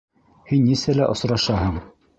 Һин нисәлә осрашаһың?